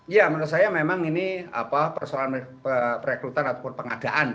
ya menurut saya memang ini persoalan perekrutan ataupun pengadaan